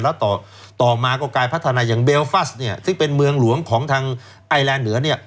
แล้วต่อมาก็กลายพัฒนาอย่างเบลฟัสเนี่ยซึ่งเป็นเมืองหลวงของทางไอแลนดเหนือเนี่ย